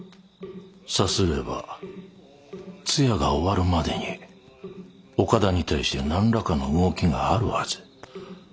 さすれば通夜が終わるまでに岡田に対して何らかの動きがあるはず。